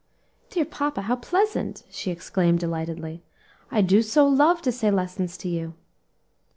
"Dear papa, how pleasant!" she exclaimed delightedly; "I do so love to say lessons to you."